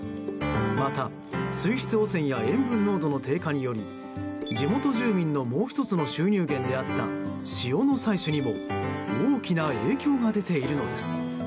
また、水質汚染や塩分濃度の低下により地元住民のもう１つの収入源であった塩の採取にも大きな影響が出ているのです。